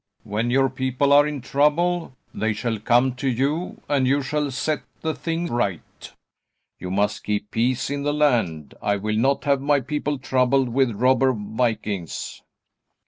When your people are in trouble they shall come to you, and you shall set the thing right. You must keep peace in the land. I will not have my people troubled with robber vikings."